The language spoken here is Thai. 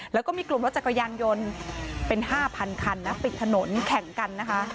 แล้วก็มีกลุ่มรถจักรยานยนต์เป็น๕๐๐คันนะปิดถนนแข่งกันนะคะ